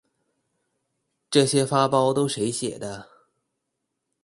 這些發包都誰寫的